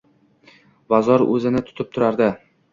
Bazo‘r o‘zini tutib turardi.